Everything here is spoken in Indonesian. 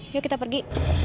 yuk kita pergi